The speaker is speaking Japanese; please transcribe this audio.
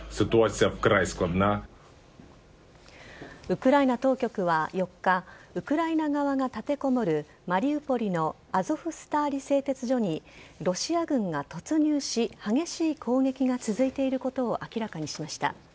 ウクライナ当局は４日ウクライナ側が立てこもるマリウポリのアゾフスターリ製鉄所にロシア軍が突入し激しい攻撃が続いていることを明らかにしました。